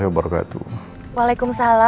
besok ya tuh bunda dengan hongekong disana